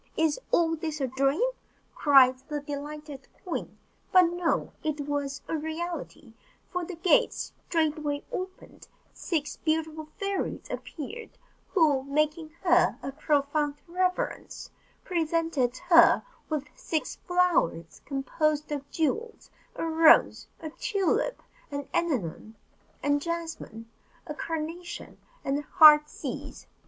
"Is all this a dream?" cried the delighted queen. But no, it was a reality, for the gates straightway opened, and six beautiful fairies appeared, who, making her a profound reverence, presented her with six flowers composed of jewels: a rose, a tulip, an anemone, a jasmine, a carnation, and a heartsease.